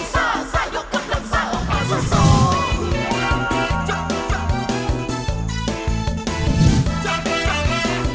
จับหนุ่มจับหนุ่ม